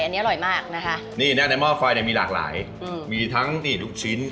อันนี้อร่อยมากนะคะนี่มีหลากหลายมีทั้งนี่ลูกชิ้น